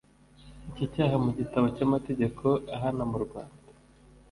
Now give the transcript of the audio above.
Iki cyaha mu gitabo cy’amategeko ahana mu Rwanda